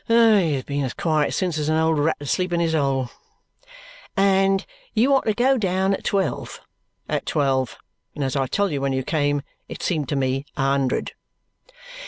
He has been as quiet since as an old rat asleep in his hole." "And you are to go down at twelve?" "At twelve. And as I tell you, when you came it seemed to me a hundred."